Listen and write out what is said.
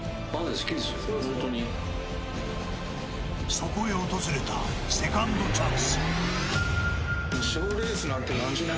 そこへ訪れたセカンドチャンス。